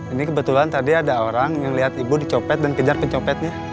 ini kebetulan tadi ada orang yang lihat ibu dicopet dan kejar kecopetnya